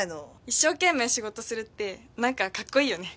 一生懸命仕事するってなんかかっこいいよね。